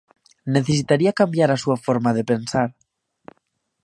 Necesitaría cambiar a súa forma de pensar.